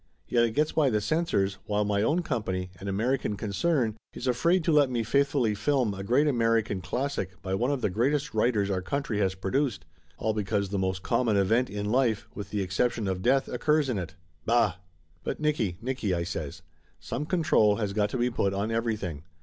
Yet it gets by the censors while my own company, an American con cern, is afraid to let me faithfully film a great Ameri can classic by one of the greatest writers our country has produced all because the most common event in life, with the exception of death, occurs in it. Bah!" "But, Nicky, Nicky!" I says. "Some control has got to be put on everything.